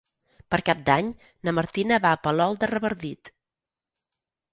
Per Cap d'Any na Martina va a Palol de Revardit.